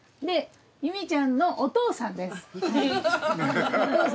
で由美ちゃんのお父さんです。